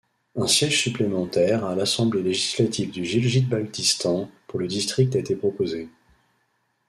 Un siège supplémentaire à l'Assemblée législative du Gilgit–Baltistan pour le district a été proposé.